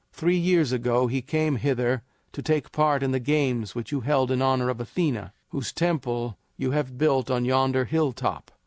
Three years ago he came hither to take part in the games which you held in honor of Athena, whose temple you have built on yonder hilltop.